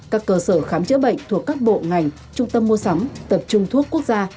các cơ sở khám chữa bệnh thuộc các bộ ngành trung tâm mua sắm tập trung thuốc quốc gia